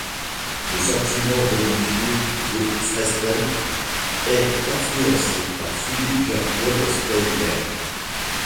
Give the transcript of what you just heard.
Le sentiment religieux de Freystein est influencé par Philipp Jakob Spener.